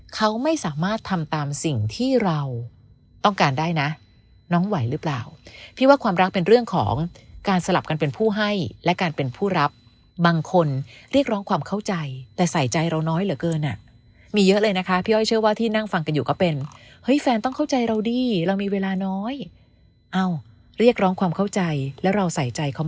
เขาไม่สามารถทำตามสิ่งที่เราต้องการได้นะน้องไหวหรือเปล่าพี่ว่าความรักเป็นเรื่องของการสลับกันเป็นผู้ให้และการเป็นผู้รับบางคนเรียกร้องความเข้าใจแต่ใส่ใจเราน้อยเหลือเกินอ่ะมีเยอะเลยนะคะพี่อ้อยเชื่อว่าที่นั่งฟังกันอยู่ก็เป็นเฮ้ยแฟนต้องเข้าใจเราดีเรามีเวลาน้อยเอ้าเรียกร้องความเข้าใจแล้วเราใส่ใจเขา